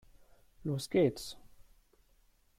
Los geht's!